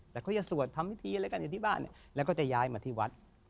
แต่เขาจะสวดทำพิธีอะไรกันอยู่ที่บ้านแล้วก็จะย้ายมาที่วัด